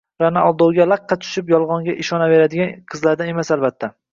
Ra’no aldovga laqqa tushib, yolg’onga inonaveradigan qizlardan emas, albatta.